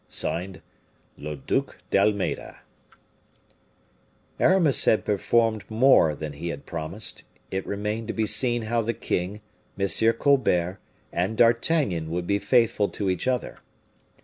Signed, "LE DUC D'ALMEDA." Aramis had performed more than he had promised; it remained to be seen how the king, M. Colbert, and D'Artagnan would be faithful to each other.